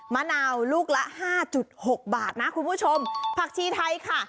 มะนาวลูกละห้าจุดหกบาทนะคุณผู้ชมผักชีไทยค่ะ